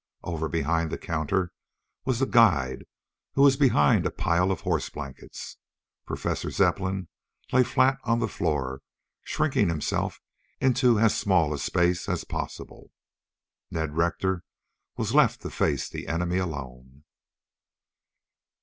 Over behind the counter was the guide, while, behind a pile of horse blankets, Professor Zepplin lay flat on the floor, shrinking himself into as small a space as possible. Ned Rector was left to face the enemy alone.